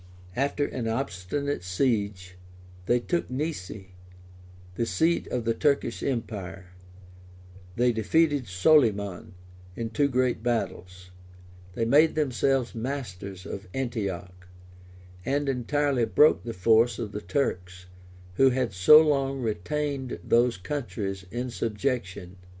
After an obstinate siege, they took Nice, the seat of the Turkish empire; they defeated Soliman in two great battles; they made themselves masters of Antioch; and entirely broke the force of the Turks, who had so long retained those countries in subjection.